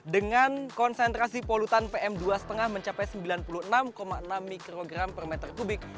dengan konsentrasi polutan pm dua lima mencapai sembilan puluh enam enam mikrogram per meter kubik